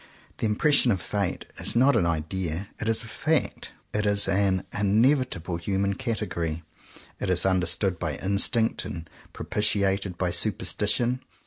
The impression of Fate is not an idea; it is a fact. It is an inevitable human category. It is understood by instinct and propitiated by superstition.